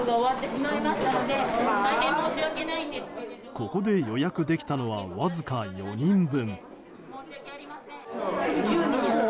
ここで予約できたのはわずか４人分。